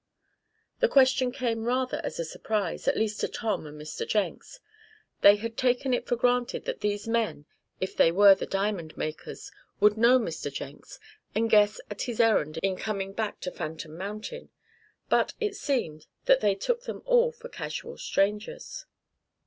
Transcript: The question came rather as a surprise, at least to Tom and Mr. Jenks. They had taken it for granted that these men if they were the diamond makers would know Mr. Jenks, and guess at his errand in coming back to Phantom Mountain. But, it seemed, that they took them all for casual strangers.